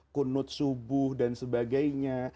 kunud subuh dan sebagainya